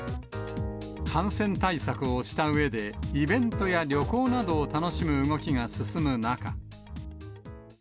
感染対策をしたうえで、イベントや旅行などを楽しむ動きが進む中。